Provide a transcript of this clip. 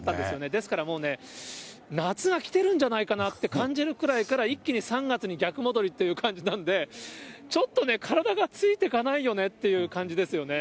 ですからもうね、夏がきてるんじゃないかなと感じるくらいから、一気に３月に逆戻りという感じなんで、ちょっと体がついてかないよねっていう感じですよね。